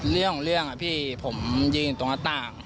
เรื่องของเรื่องอะพี่ผมยืนอยู่ตรงระต่าง